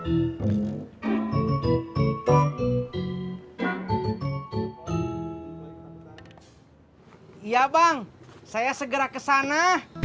iya bang saya segera kesana